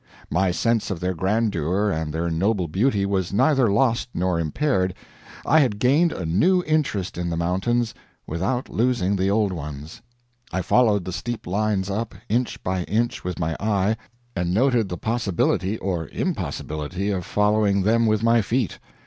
My sense of their grandeur and their noble beauty was neither lost nor impaired; I had gained a new interest in the mountains without losing the old ones. I followed the steep lines up, inch by inch, with my eye, and noted the possibility or impossibility of following them with my feet.